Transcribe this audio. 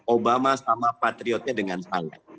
obama sama patriotnya dengan sangat